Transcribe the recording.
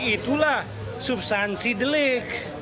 itulah subsansi delik